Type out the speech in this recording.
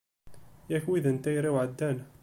Yak wid n tayri-w ɛeddan.